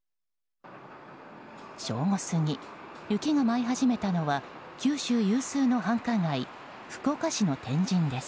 正午過ぎ、雪が舞い始めたのは九州有数の繁華街福岡市の天神です。